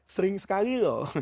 sering sekali loh